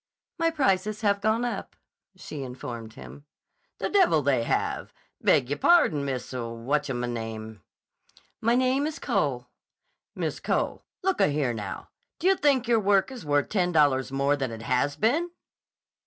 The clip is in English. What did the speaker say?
"My prices have gone up," she informed him. "The devil they have! Beg y' pardon, Miss Watchemame—" "My name is Cole." "Miss Cole. Look a here, now; d' you think your work is worth ten dollars more than it has been?"